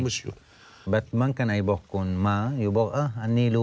มีใครต้องจ่ายค่าคุมครองกันทุกเดือนไหม